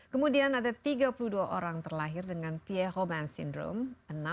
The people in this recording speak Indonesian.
kemudian ada tiga puluh dua orang terlahir dengan pia human syndrome